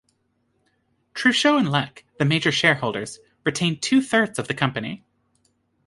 Truchot and Lech, the major shareholders, retained two-thirds of the company.